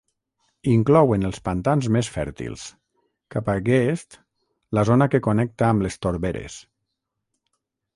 Inclouen els pantans més fèrtils; cap a Geest, la zona que connecta amb les torberes.